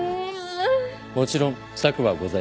もちろん策はございます。